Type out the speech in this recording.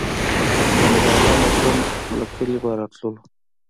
د ملا عالم اخند له کلي به راتللو.